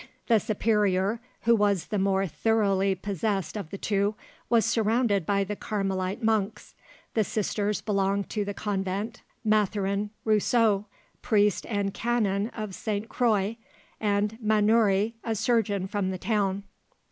The superior, who was the more thoroughly possessed of the two, was surrounded by the Carmelite monks, the sisters belonging to the convent, Mathurin Rousseau, priest and canon of Sainte Croix, and Mannouri, a surgeon from the town.